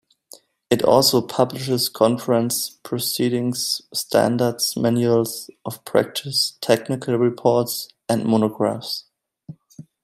It also publishes conference proceedings, standards, manuals of practice, technical reports, and monographs.